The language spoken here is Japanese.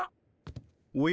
おや？